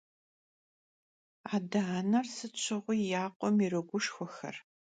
Ade - aner sıt şığui yakhuem yiroguşşxuexer.